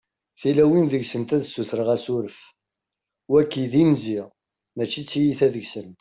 tilawin deg-sent ad ssutreɣ asuref, wagi d inzi mačči t-tiyita deg-sent